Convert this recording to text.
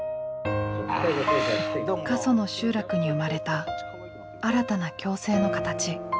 過疎の集落に生まれた新たな共生の形。